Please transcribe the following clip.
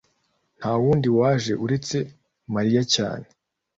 nta wundi waje uretse mariya cyane